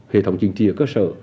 hệ thống chính trị ở cơ sở